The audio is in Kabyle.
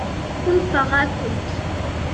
Unfeɣ-akent.